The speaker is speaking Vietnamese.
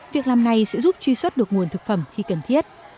việc làm này sẽ giúp truy xuất được nguồn thực phẩm khi cần thiết